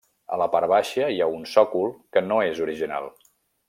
A la part baixa hi ha un sòcol que no és original.